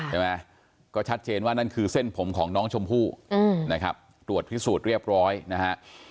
ใช่ไหมก็ชัดเจนว่านั่นคือเส้นผมของน้องชมพู่นะครับตรวจพิสูจน์เรียบร้อยนะฮะ